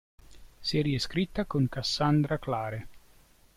Serie scritta con Cassandra Clare.